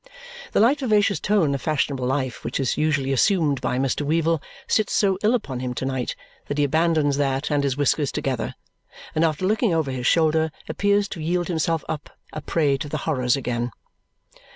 The light vivacious tone of fashionable life which is usually assumed by Mr. Weevle sits so ill upon him to night that he abandons that and his whiskers together, and after looking over his shoulder, appears to yield himself up a prey to the horrors again.